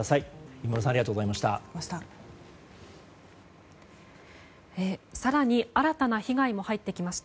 今村さんありがとうございました。